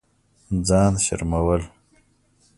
ځان شرمول